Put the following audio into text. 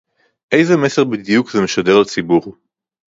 איזה מסר בדיוק זה משדר לציבור